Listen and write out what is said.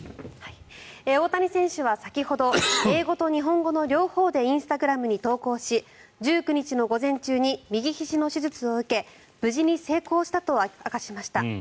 大谷選手は先ほど英語と日本語の両方でインスタグラムに投稿し１８日の午前中に右ひじの手術を受け無事に成功したと明かしました。